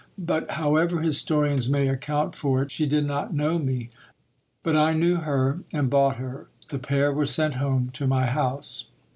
. but however historians may account for it, she did not know me. But I knew her, and bought her : the pair were sent home to my house.